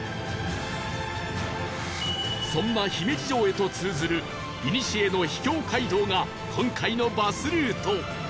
そんな姫路城へと通ずる古の秘境街道が今回のバスルート